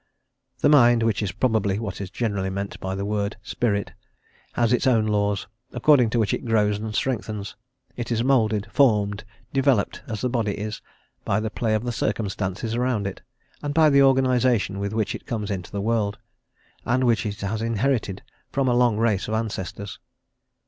The mind which is probably what is generally meant by the word "spirit" has its own laws, according to which it grows and strengthens; it is moulded, formed, developed, as the body is, by the play of the circumstances around it, and by the organisation with which it comes into the world, and which it has inherited from a long race of ancestors.